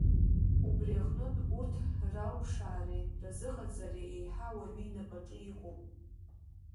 Убри аҟынтә, урҭ ралԥшаареи разыҟаҵареи еиҳа ауаҩы инапаҿы иҟоуп.